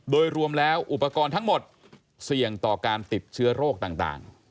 โดยรวมแล้วอุปกรณ์ทั้งหมดเสี่ยงต่อการติดเชื้อโรคต่าง